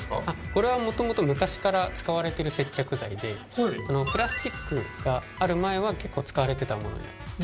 これはもともと昔から使われてる接着剤でプラスチックがある前は結構使われてたものになります。